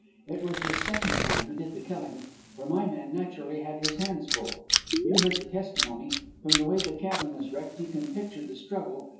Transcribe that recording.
It was this second man who did the killing, for my man, naturally, had his hands full. You heard the testimony. From the way the cabin was wrecked, you can picture the struggle.